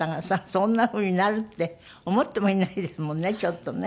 そんな風になるって思ってもいないですもんねちょっとね。